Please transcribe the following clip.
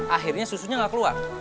akhirnya susunya gak keluar